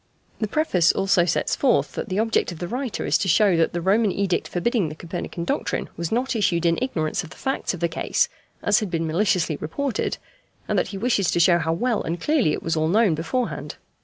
The preface also sets forth that the object of the writer is to show that the Roman edict forbidding the Copernican doctrine was not issued in ignorance of the facts of the case, as had been maliciously reported, and that he wishes to show how well and clearly it was all known beforehand.